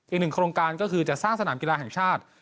อีกหนึ่งโครงการก็คือจะสร้างสนามกีฬาแห่งชาติ